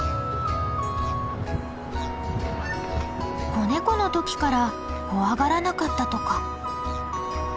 子ネコの時から怖がらなかったとか。